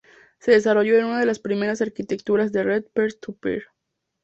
Se desarrolló en una de las primeras arquitecturas de red Peer-to-peer.